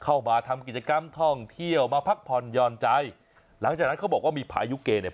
เข้ามาทำกิจกรรมท่องเที่ยวมาพักผ่อนหย่อนใจหลังจากนั้นเขาบอกว่ามีพายุเกเนี่ย